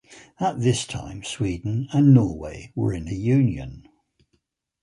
At this time, Sweden and Norway were in a union.